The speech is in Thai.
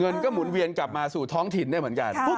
เงินก็หมุนเวียนกลับมาสู่ท้องถิ่นได้เหมือนกัน